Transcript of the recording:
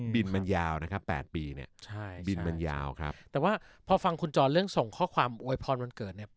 บินมันยาวนะครับ๘ปีเนี่ยใช่บินมันยาวครับแต่ว่าพอฟังคุณจรเรื่องส่งข้อความอวยพรวันเกิดเนี่ย